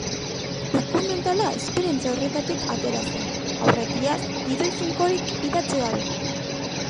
Dokumentala esperientzia horretatik atera zen, aurretiaz gidoi finkorik idatzi gabe.